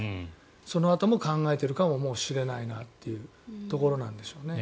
そのあとも考えているかもしれないなというところなんでしょうね。